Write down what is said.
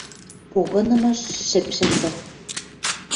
Погынымаш шӹп шӹнзӓ.